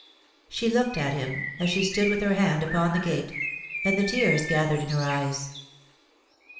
She looked at him as she stood with her hand upon the gate, and the tears gathered in her eyes.